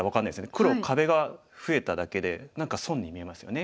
黒壁が増えただけで何か損に見えますよね。